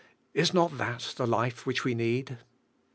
Is not that the life which we need?